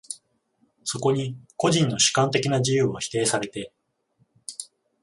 そこに個人の主観的な自由は否定されて、